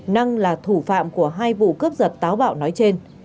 năng là thủ phạm của hai vụ cướp giật táo bạo nói trên